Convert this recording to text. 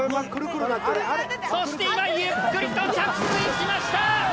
そして今ゆっくりと着水しました！